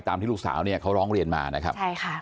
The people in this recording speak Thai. ตามที่ลูกสาวเนี่ยเขาร้องเรียนมานะครับ